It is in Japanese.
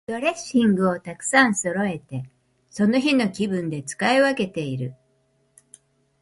ドレッシングをたくさんそろえて、その日の気分で使い分けている。